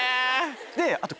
であと。